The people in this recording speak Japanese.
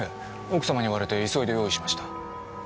奥様に言われて急いで用意しました。